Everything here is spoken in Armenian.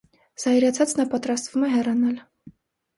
Զայրացած նա պատրաստվում է հեռանալ։